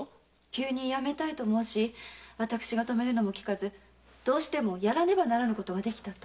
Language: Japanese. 急に辞めたいと申し私が止めるのも聞かず「どうしてもやらねばならぬことができた」と。